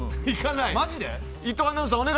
マジで？